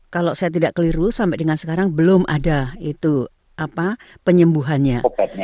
kalau saya tidak keliru sampai dengan sekarang belum ada penyembuhannya